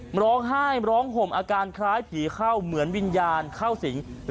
ร้องไห้ร้องห่มอาการคล้ายผีเข้าเหมือนวิญญาณเข้าสิง